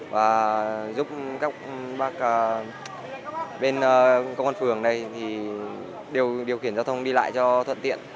và giúp các bác bên công an phường này điều khiển giao thông đi lại cho thuận tiện